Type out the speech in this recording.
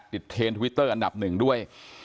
เทนทวิตเตอร์อันดับหนึ่งด้วย